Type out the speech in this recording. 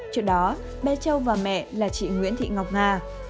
trước đó bé châu và mẹ là chị nguyễn thị ngọc nga